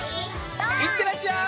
いってらっしゃい！